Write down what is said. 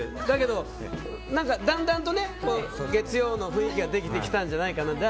だけど、だんだんと月曜の雰囲気ができてきたんじゃないかな。